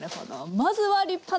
まずは立派な。